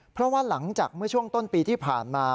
เพราะว่าหลังจากเมื่อช่วงต้นปีที่ผ่านมา